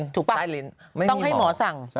ต้องให้หมอสั่ง